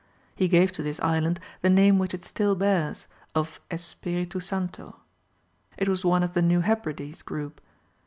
He gave to this island the name which it still bears, of Espiritu Santo. It was one of the New Hebrides group.